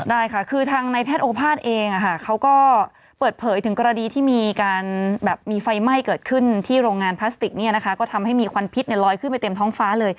ได้ค่ะคือทางในแพทย์โอภาษย์เองเขาก็เปิดเผยถึงกรณีที่มีการแบบมีไฟไหม้เกิดขึ้นที่โรงงานพลาสติกเนี่ยนะคะก็ทำให้มีควันพิษลอยขึ้นไปเต็มท้องฟ้าเลย